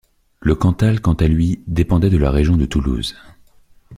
Le Cantal, quant à lui dépendait de la région de Toulouse.